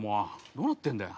どうなってんだよ。